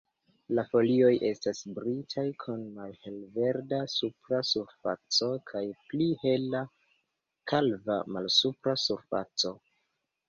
La folioj estas brilaj kun malhelverda supra surfaco kaj pli hela, kalva malsupra surfaco.